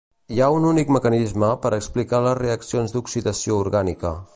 Hi ha un únic mecanisme per explicar les reaccions d'oxidació orgànica.